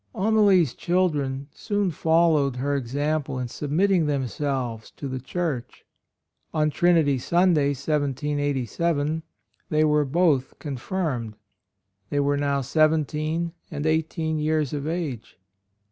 Amalie's children soon followed her example in submitting them selves to the Church. On Trinity Sunday, 1787, they were both Confirmed ; they were now seventeen and eighteen years of age.